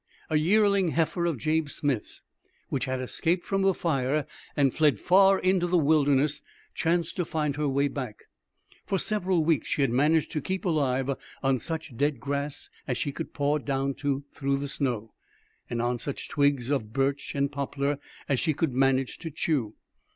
A yearling heifer of Jabe Smith's, which had escaped from the fire and fled far into the wilderness, chanced to find her way back. For several weeks she had managed to keep alive on such dead grass as she could paw down to through the snow, and on such twigs of birch and poplar as she could manage to chew.